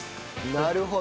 なるほど。